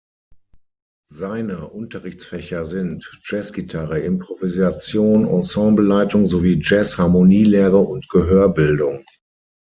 Seine Unterrichtsfächer sind Jazzgitarre, Improvisation, Ensembleleitung sowie Jazz-Harmonielehre und -Gehörbildung.